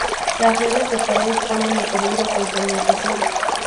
las redes de pares ponen en peligro el pensamiento cero